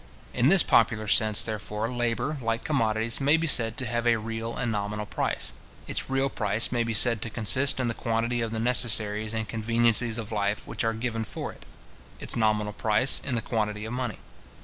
In this popular sense, therefore, labour, like commodities, may be said to have a real and a nominal price. Its real price may be said to consist in the quantity of the necessaries and conveniencies of life which are given for it; its nominal price, in the quantity of money.